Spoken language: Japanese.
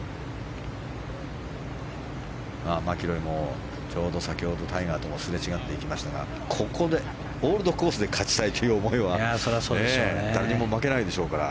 マキロイもちょうど、先ほどタイガーとすれ違っていましたがここでオールドコースで勝ちたいという思いは誰にも負けないでしょうから。